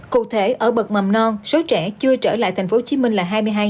cụ thể ở bậc mầm non số trẻ chưa trở lại tp hcm là hai mươi hai năm trăm tám mươi tám